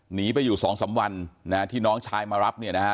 หนีไปอยู่๒๓วันที่น้องชายมารับเนี่ยนะฮะ